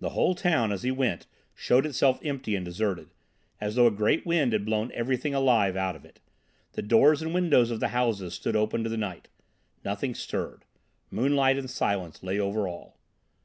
The whole town, as he went, showed itself empty and deserted, as though a great wind had blown everything alive out of it. The doors and windows of the houses stood open to the night; nothing stirred; moonlight and silence lay over all.